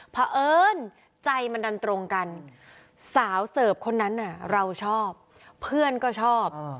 เพราะเอิญใจมันดันตรงกันสาวเสิร์ฟคนนั้นเราชอบเพื่อนก็ชอบ